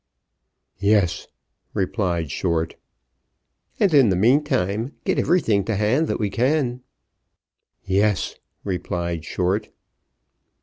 "Yes," replied Short. "And, in the meantime, get everything to hand that we can." "Yes," replied Short.